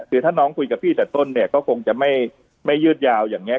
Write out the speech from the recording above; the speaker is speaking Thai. คือถ้าน้องคุยกับพี่แต่ต้นเนี่ยก็คงจะไม่ยืดยาวอย่างนี้